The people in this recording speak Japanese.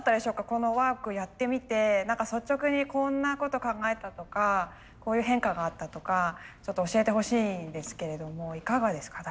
このワークやってみて何か率直にこんなこと考えたとかこういう変化があったとかちょっと教えてほしいんですけれどもいかがですか？